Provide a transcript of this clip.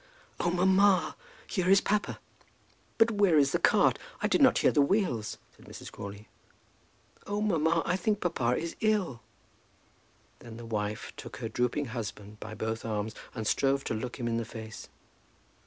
"Oh, mamma, here is papa!" "But where is the cart? I did not hear the wheels," said Mrs. Crawley. "Oh, mamma, I think papa is ill." Then the wife took her drooping husband by both arms and strove to look him in the face.